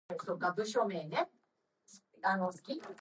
The region is the center of the "German Fairy Tale Route".